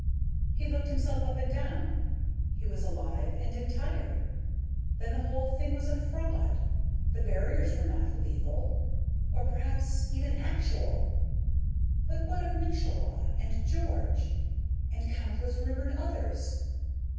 He looked himself up and down. He was alive and entire. Then the whole thing was a fraud; the barriers were not lethal or perhaps even actual. But what of Mieczyslaw? And George? And countless rumored others?